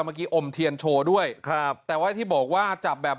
เมื่อกี้อมเทียนโชว์ด้วยครับแต่ว่าที่บอกว่าจับแบบ